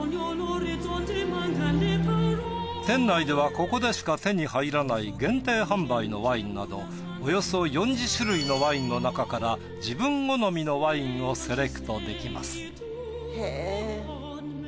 店内ではここでしか手に入らない限定販売のワインなどおよそ４０種類のワインのなかから自分好みのワインをセレクトできます。